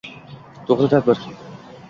To’g’ri tadbir –